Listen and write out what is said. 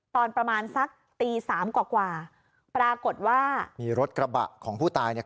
ตอนประมาณสักตีสามกว่ากว่าปรากฏว่ามีรถกระบะของผู้ตายเนี่ย